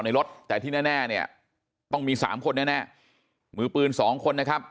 ในรถแต่ที่แน่เนี่ยต้องมี๓คนอย่างแน่มือปืน๒คนนะครับ